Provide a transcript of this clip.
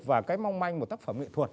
và cái mong manh một tác phẩm nghệ thuật